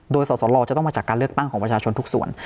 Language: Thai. โดยสอสลจะต้องมาจากการเลือกตั้งของประชาชนทุกส่วน